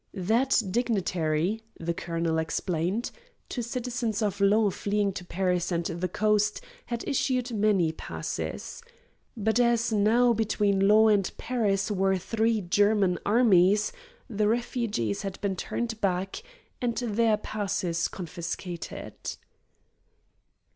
That dignitary, the colonel explained, to citizens of Laon fleeing to Paris and the coast had issued many passes. But as now between Laon and Paris there were three German armies, the refugees had been turned back and their passes confiscated.